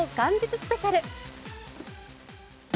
スペシャル。